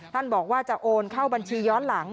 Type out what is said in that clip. ท่านบอกว่าจะโอนเข้าบัญชีย้อนหลัง